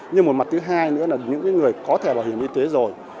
nhưng một mặt thứ hai nữa là những người có thẻ bảo hiểm y tế rồi